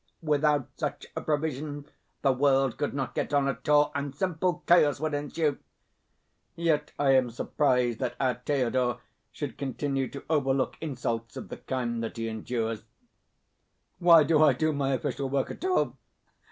Without such a provision the world could not get on at all, and simple chaos would ensue. Yet I am surprised that our Thedor should continue to overlook insults of the kind that he endures. Why do I do my official work at all?